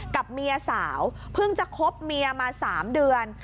กับเมียสาวเพิ่งจะคบเมียมา๓เดือน